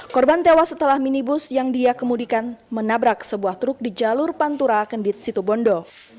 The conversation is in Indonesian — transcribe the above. korban tewas setelah minibus yang dia kemudikan menabrak sebuah truk di jalur pantura kendit situbondo